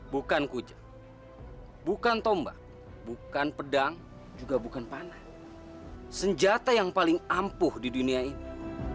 bukan kuja bukan tombak bukan pedang juga bukan panah senjata yang paling ampuh di dunia ini